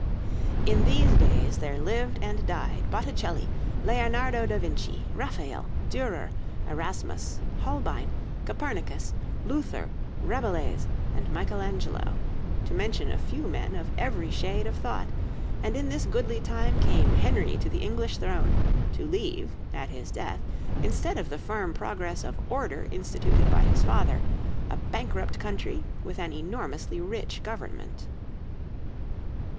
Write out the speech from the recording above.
In these days there lived and died Botticelli, Leonardo da Vinci, Raphael, Dürer, Erasmus, Holbein, Copernicus, Luther, Rabelais, and Michael Angelo, to mention a few men of every shade of thought, and in this goodly time came Henry to the English throne, to leave, at his death, instead of the firm progress of order instituted by his father, a bankrupt country with an enormously rich Government.